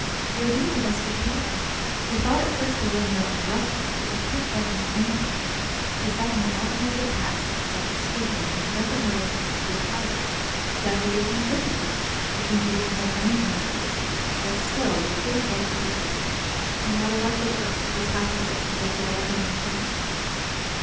"We are doing the best we can. We thought at first to wear him out with rough work, but you can't get him anyhow. We set him all kinds of tasks, such as sweeping, but he doesn't know what it means to be tired. Then we gave him difficult work, thinking that he wouldn't have brains enough to do it, yet still, we couldn't get the better of him. No matter what the work, he tackles it and gets it all done in time.